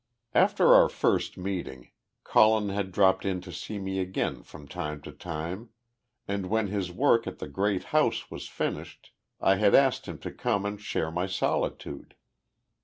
After our first meeting, Colin had dropped in to see me again from time to time, and when his work at the great house was finished, I had asked him to come and share my solitude.